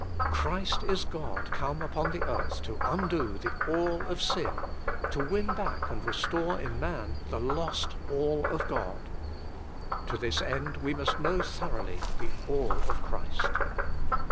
Christ is God come upon the earth to undo the All of sin, to win back and restore in man the lost All of God. To this end we must know thoroughly the All of Christ.